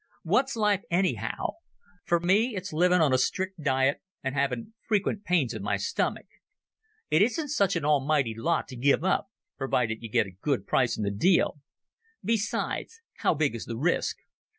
What's life anyhow? For me, it's living on a strict diet and having frequent pains in my stomach. It isn't such an almighty lot to give up, provided you get a good price in the deal. Besides, how big is the risk?